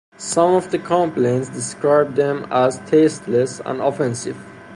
Some of the complaints described them as "tasteless and offensive".